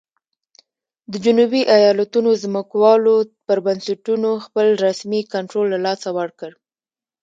د جنوبي ایالتونو ځمکوالو پر بنسټونو خپل رسمي کنټرول له لاسه ورکړ.